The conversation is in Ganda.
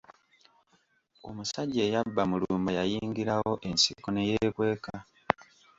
Omusajja eyabba Mulumba yayingirirawo ensiko ne yeekweka.